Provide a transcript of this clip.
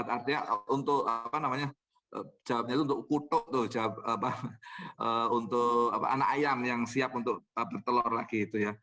artinya untuk kutuk untuk anak ayam yang siap untuk bertelur lagi